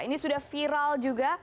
ini sudah viral juga